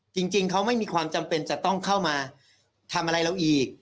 จริงเขาไม่มีความจำเป็นจะต้องเข้ามาทำอะไรเราอีก